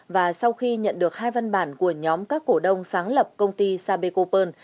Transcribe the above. và sau khi nhận được hai văn bản của nhóm các cổ đông sáng lập công ty sapeco pearl